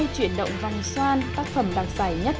chuyển động vòng xoan tác phẩm đặc giải nhất